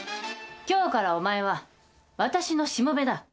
今日からお前は私のしもべだ。